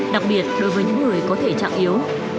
đặc biệt đối với những người có thể trạng yếu